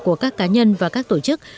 của các cá nhân và các tổ chức